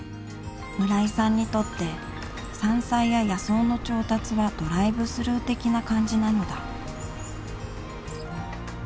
村井さんにとって山菜や野草の調達はドライブスルー的な感じなのだ